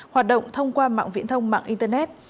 hoạt động thông qua mạng viễn thông mạng internet